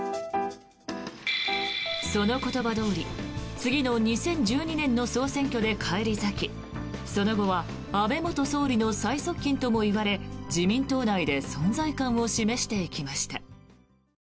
その言葉どおり、次の２０１２年の総選挙で返り咲きその後は安倍元総理の最側近ともいわれ自民党内で存在感を示していきました。